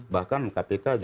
bahkan kpk juga